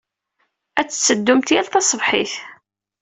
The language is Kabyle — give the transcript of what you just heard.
Ad tetteddumt yal taṣebḥit.